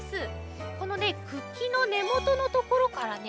このねくきのねもとのところからね